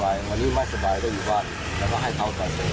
คือวันนี้ไม่สบายก็อยู่บ้านแล้วให้เขากาส่วน